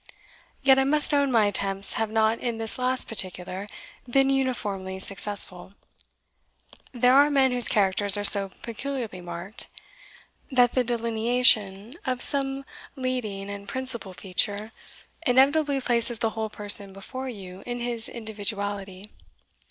Yet I must own my attempts have not in this last particular been uniformly successful. There are men whose characters are so peculiarly marked, that the delineation of some leading and principal feature, inevitably places the whole person before you in his individuality.